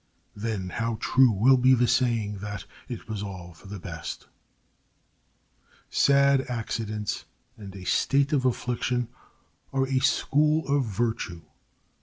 Then how true will be the saying that "it was all for the best!" Sad accidents and a state of affliction are a school of virtue.